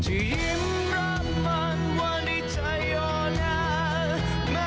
ที่ยิ้มรับมันวันในใจย่อหน้า